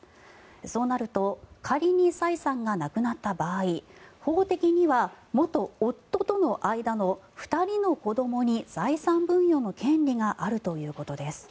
そうなると仮にサイさんが亡くなった場合法的には元夫との間の２人の子どもに財産分与の権利があるということです。